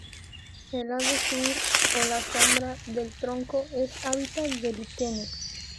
El lado sur o la sombra del tronco es hábitat de líquenes.